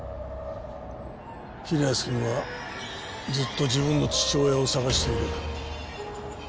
平安くんはずっと自分の父親を捜している。